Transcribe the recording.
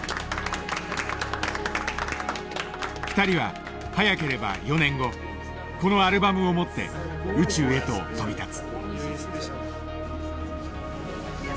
２人は早ければ４年後このアルバムを持って宇宙へと飛び立つ。